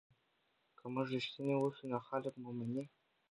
که موږ رښتیني اوسو نو خلک مو مني.